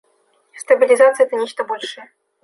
Стабилизация — это нечто большее.